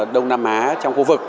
đông nam á trong khu vực